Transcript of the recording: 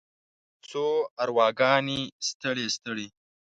څو ارواګانې ستړې، ستړې